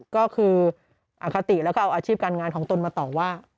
ก็คืออคติแล้วก็เอาอาชีพการงานของตนมาต่อว่า